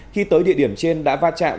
khi tới địa điểm trên đã va chạm